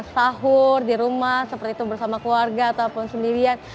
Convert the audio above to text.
sahur di rumah seperti itu bersama keluarga ataupun sendirian